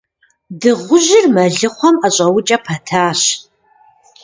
Дыгъужьыр мэлыхъуэм ӀэщӀэукӀэ пэтащ.